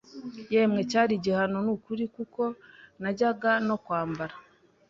yemwe cyari igihano nukuri kuko najyaga no kwambara